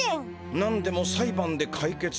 「なんでも裁判で解決。